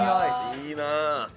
いいなあ。